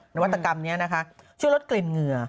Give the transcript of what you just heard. นวัตกรรมนี้นะคะช่วยลดกลิ่นเหงื่อ